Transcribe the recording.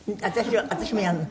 私もやるの？